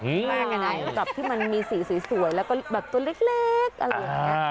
หือแบบที่มันมีสีสวยแล้วก็แบบตัวเล็กอะไรแบบนี้